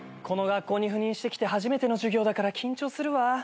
この学校に赴任してきて初めての授業だから緊張するわ。